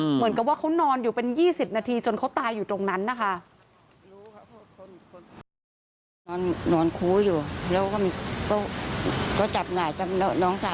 เหมือนกับว่าเขานอนอยู่เป็น๒๐นาทีจนเขาตายอยู่ตรงนั้นนะคะ